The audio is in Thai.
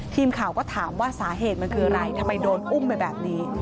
ทีมข่าวก็ถามว่าสาเหตุมันคืออะไรทำไมโดนอุ้มไปแบบนี้